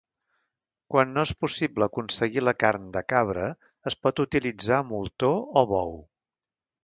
Quan no és possible aconseguir la carn de cabra, es pot utilitzar moltó o bou.